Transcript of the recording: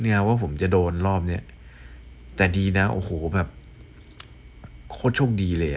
ว่าผมจะโดนรอบเนี้ยแต่ดีนะโอ้โหแบบโคตรโชคดีเลยอ่ะ